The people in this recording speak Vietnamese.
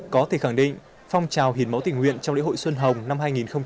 có thể khẳng định phong trào hiến máu tỉnh nguyện trong lễ hội xuân hồng năm hai nghìn hai mươi